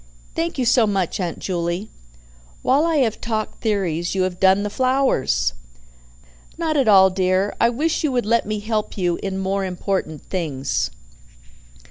"Thank you so much, Aunt Juley. While I have talked theories, you have done the flowers." "Not at all, dear. I wish you would let me help you in more important things."